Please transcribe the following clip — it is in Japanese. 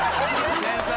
天才！